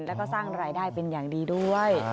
แล้วก็สร้างรายได้เป็นอย่างดีด้วย